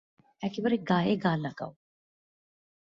একেবারে গায়ে গায়ে লাগাও।